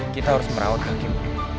kita harus perawat kakimu